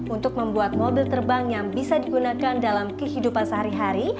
untuk membuat mobil terbang yang bisa digunakan dalam kehidupan sehari hari